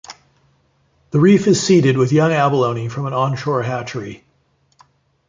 The reef is seeded with young abalone from an onshore hatchery.